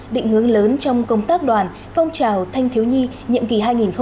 định hướng lớn trong công tác đoàn phong trào thanh thiếu nhi nhiệm kỳ hai nghìn hai mươi hai nghìn hai mươi năm